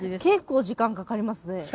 結構時間かかりますね。